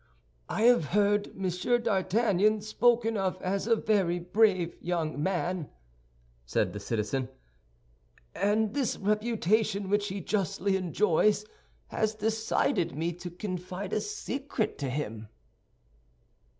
"I have heard Monsieur d'Artagnan spoken of as a very brave young man," said the citizen; "and this reputation which he justly enjoys had decided me to confide a secret to him."